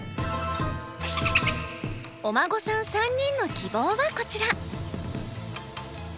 お孫さん３人の希望はこちら。